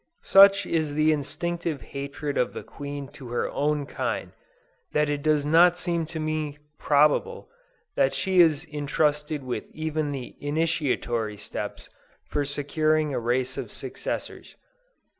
Such is the instinctive hatred of the queen to her own kind, that it does not seem to me probable, that she is intrusted with even the initiatory steps for securing a race of successors.